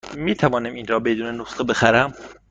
می توانم این را بدون نسخه بخرم؟